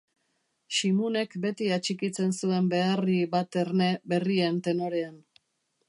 Ximunek beti atxikitzen zuen beharri bat erne, berrien tenorean.